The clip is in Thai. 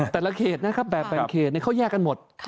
แต่ละเกตแบบแบ่งเกตเค้าแยกกันหมด